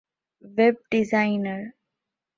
ވެބް ޑިޒައިނަރ